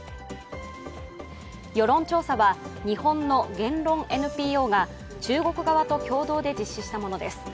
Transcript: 世論調査は日本の言論ＮＰＯが中国側と共同で実施したものです。